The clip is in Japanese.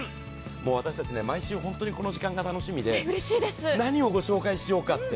もう私たち毎週この時間が楽しみで何を御紹介しようかって。